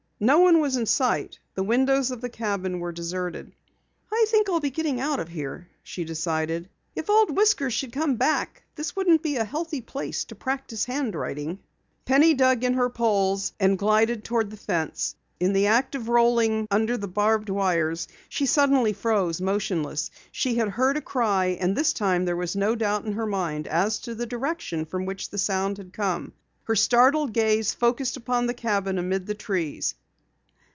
No one was in sight. The windows of the cabin were deserted. "I think I'll be getting out of here," she decided. "If Old Whiskers should come back this wouldn't be a healthy place to practice handwriting." Penny dug in her poles and glided toward the fence. In the act of rolling under the barbed wires, she suddenly froze motionless. She had heard a cry and this time there was no doubt in her mind as to the direction from which the sound had come. Her startled gaze focused upon the cabin amid the trees.